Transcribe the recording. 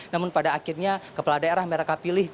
namun pada akhirnya kepala daerah mereka pilih